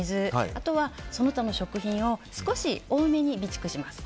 あとは、その他の食品を少し多めに備蓄します。